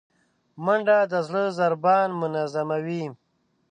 منډه د زړه ضربان منظموي